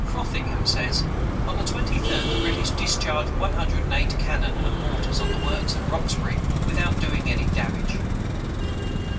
[Footnote 161: Frothingham says: "On the 23d, the British discharged one hundred and eight cannon and mortars on the works at Roxbury without doing any damage."